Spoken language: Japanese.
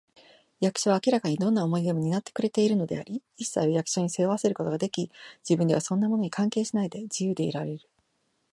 役所は明らかにどんな重荷でも担ってくれているのであり、いっさいを役所に背負わせることができ、自分ではそんなものに関係しないで、自由でいられる